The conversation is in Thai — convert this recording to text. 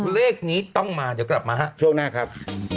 เลขนี้ต้องมาเดี๋ยวกลับมาฮะช่วงหน้าครับ